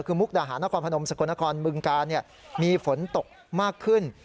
คือมุกดาหานครพนมสกลนครบึงกาลมีฝนตกมากขึ้น